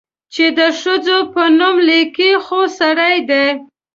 چې د ښځو په نوم ليکي، خو سړي دي؟